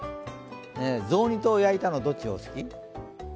雑煮と焼いたの、どっちがお好き？